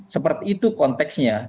seperti itu konteksnya